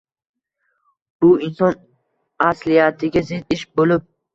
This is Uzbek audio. – bu inson asliyatiga zid ish bo‘lib